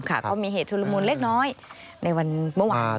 ก็มีเหตุชุลมุนเล็กน้อยในวันเมื่อวาน